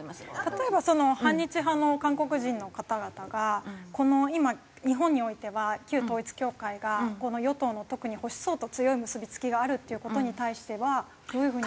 例えば反日派の韓国人の方々が今日本においては旧統一教会が与党の特に保守層と強い結び付きがあるっていう事に対してはどういう風に。